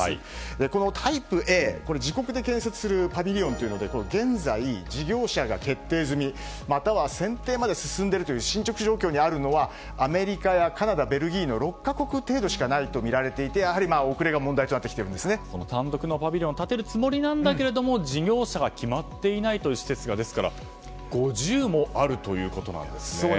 このタイプＡ、自国で建設するパビリオンというので現在、事業者が決定済みまたは選定まで進んでいるという進捗状況にあるのはアメリカやカナダ、ベルギーの６か国程度しかないとみられていてやはり遅れが問題と単独のパビリオンを建てるつもりなんだけども事業者が決まっていない施設が５０もあるということですね。